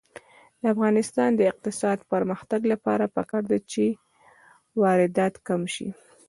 د افغانستان د اقتصادي پرمختګ لپاره پکار ده چې واردات کم شي.